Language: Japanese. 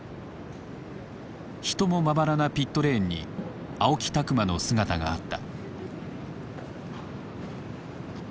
人もまばらなピットレーンに青木拓磨の姿があった。